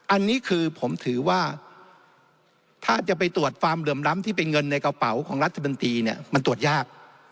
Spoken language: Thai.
อันนี้คือผมถือว่าถ้าจะไปตรวจความเหลื่อมล้ำที่เป็นเงินในกระเป๋าของรัฐมนตรีเนี่ยมันตรวจยาก